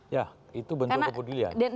ya itu bentuk kebudulian